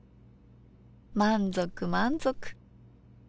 満足満足。